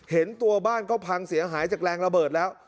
เห็นตัวบ้านก็พังเสียหายจากแรงระเบิดแล้ว